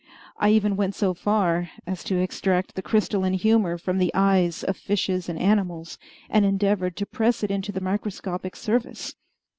I even went so far as to extract the crystalline humor from the eyes of fishes and animals, and endeavored to press it into the microscopic service.